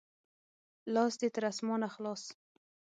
لاس دې تر اسمانه خلاص!